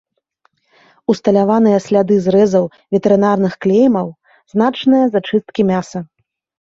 Усталяваныя сляды зрэзаў ветэрынарных клеймаў, значныя зачысткі мяса.